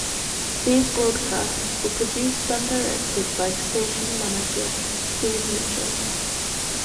These broadcasts were produced and directed by station manager Steve Mitchell.